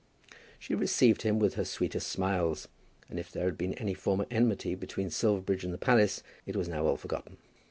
She received him with her sweetest smiles, and if there had been any former enmity between Silverbridge and the palace, it was now all forgotten.